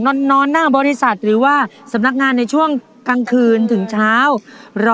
ตอนนี้นะคะตอบคำถามไถ่ของไปแล้ว๓ข้อ